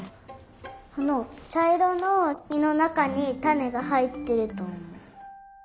あのちゃいろのみのなかにたねがはいってるとおもう。